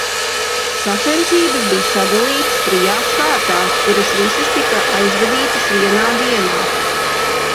Sacensības bija sadalītas trijās kārtās, kuras visas tika aizvadītas vienā dienā.